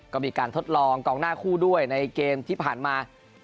ก็มีการทดลองกองหน้าคู่ด้วยในเกมที่ผ่านมา